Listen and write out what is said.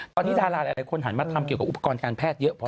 ตอนนี้ดาราหลายคนหันมาทำเกี่ยวกับอุปกรณ์การแพทย์เยอะพอ